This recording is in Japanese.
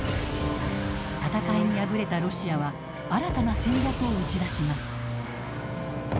戦いに敗れたロシアは新たな戦略を打ち出します。